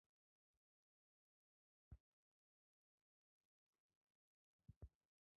ধান ছাড়াও ভুট্টা, গম, টমেটো, আলু এবং নানান ধরনের সব্জি এ অঞ্চলের উৎপাদিত কৃষি পণ্যের অন্যতম।